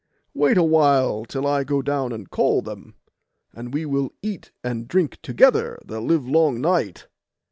Wait awhile till I go down and call them, and we will eat and drink together the livelong night.